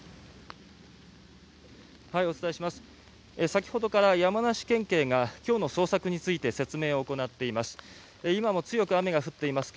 先ほどから山梨県警が今日の捜索について説明を行っています。